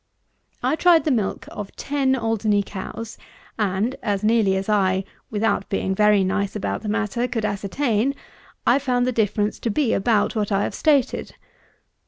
I tried the milk of ten Alderney cows, and, as nearly as I, without being very nice about the matter, could ascertain, I found the difference to be about what I have stated.